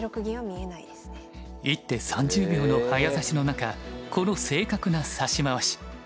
１手３０秒の早指しの中この正確な指し回し。